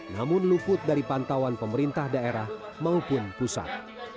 namun luput dari pantauan pemerintah daerah maupun pusat